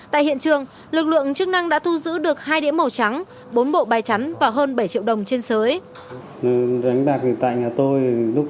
tại hiện trường lực lượng chức năng đã thu giữ được hai đĩa màu trắng bốn bộ bài chắn và hơn bảy triệu đồng trên sới